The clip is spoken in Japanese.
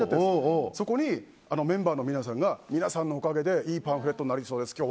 そこにメンバーの皆さんが皆さんのおかげでいいパンフレットになりそうです。